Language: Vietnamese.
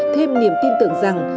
thêm niềm tin tưởng rằng